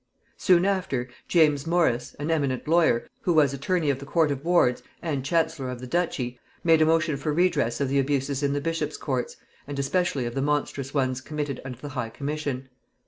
Soon after, James Morice, an eminent lawyer, who was attorney of the court of Wards and chancellor of the Duchy, made a motion for redress of the abuses in the bishops' courts, and especially of the monstrous ones committed under the High Commission.